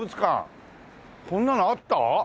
こんなのあった？